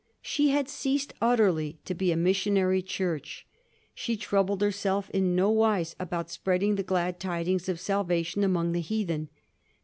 She had ceased utterly to be a missionary Church. She trou bled herself in nowise about spreading the glad tidings of salvation among the heathen.